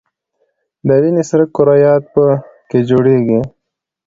د وینې سره کرویات په ... کې جوړیږي.